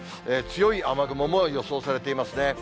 強い雨雲も予想されていますね。